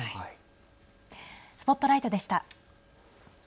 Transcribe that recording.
ＳＰＯＴＬＩＧＨＴでした。